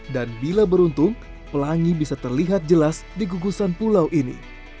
dan bila beruntung pelangi bisa terlihat jelas di gugusan pulau ini